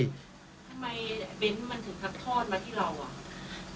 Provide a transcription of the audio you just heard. ทำไมเบนท์มันถึงพัดทอดมาที่เราอ่ะ